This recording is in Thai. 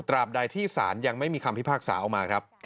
บใดที่ศาลยังไม่มีคำพิพากษาออกมาครับ